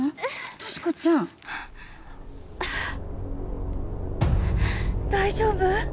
俊子ちゃん・大丈夫？